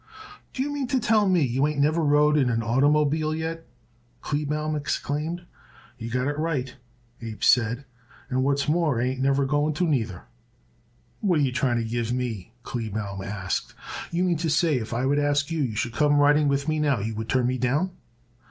"D'ye mean to tell me you ain't never rode in an oitermobile yet?" Kleebaum exclaimed. "You got it right," Abe said, "and what's more I ain't never going to neither." "What you trying to give me?" Kleebaum asked. "You mean to say if I would ask you you should come riding with me now, you would turn me down?"